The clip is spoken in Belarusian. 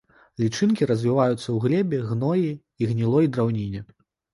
Лічынкі развіваюцца ў глебе, гноі і гнілой драўніне.